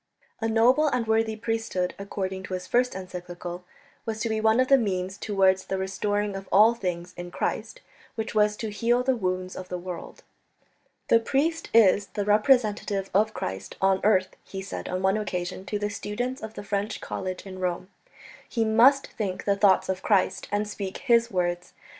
A noble and worthy priesthood, according to his first encyclical, was to be one of the means towards that restoring of all things in Christ "which was to heal the wounds of the world." "The priest is the representative of Christ on earth," he said on one occasion to the students of the French College in Rome; "he must think the thoughts of Christ and speak His words.